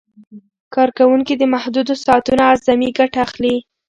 کارکوونکي د محدودو ساعتونو اعظمي ګټه اخلي.